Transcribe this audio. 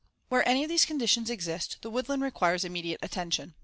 ] Where any of these conditions exist, the woodland requires immediate attention.